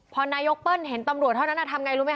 พอนายกเปิ้ลเห็นตำรวจเท่านั้นทำไงรู้ไหม